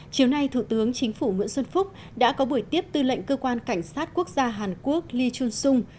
chiều nay thủ tướng chính phủ nguyễn xuân phúc đã có buổi tiếp tư lệnh cơ quan cảnh sát quốc gia hàn quốc lee chung